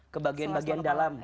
ke bagian bagian dalam